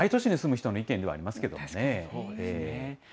大都市に住む人のご意見ではありますけどもね。